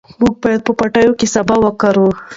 موږ به په پټي کې سابه وکرو.